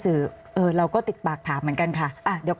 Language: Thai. สิ่งที่ประชาชนอยากจะฟัง